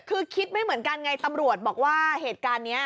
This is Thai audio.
คือคิดไม่เหมือนกันไงตำรวจบอกว่าเหตุการณ์นี้